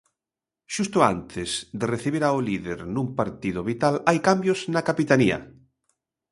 Xusto antes de recibir ao líder nun partido vital, hai cambios na capitanía.